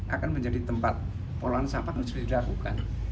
akan menjadi tempat polon sampah harus dilakukan